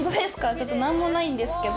ちょっとなんもないんですけど。